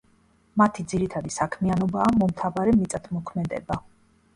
მათი ძირითადი საქმიანობაა მომთაბარე მიწათმოქმედება.